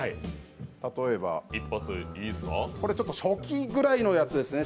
例えばこれ初期ぐらいのやつですね。